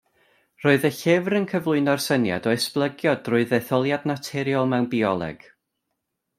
Roedd y llyfr yn cyflwyno'r syniad o esblygiad drwy ddetholiad naturiol mewn bioleg.